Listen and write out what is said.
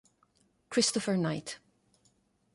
Christopher Knight